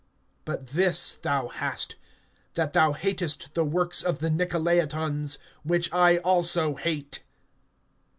(6)But this thou hast, that thou hatest the works of the Nicolaitans, which I also hate.